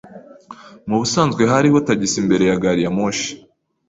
Mubusanzwe hariho tagisi imbere ya gariyamoshi.